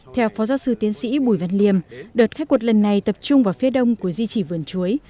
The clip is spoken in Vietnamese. theo phó giáo sư tiến sĩ bùi văn liêm đợt khai quật lần này tập trung vào phía đông của di trì vườn chuối